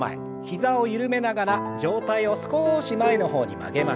膝を緩めながら上体を少し前の方に曲げましょう。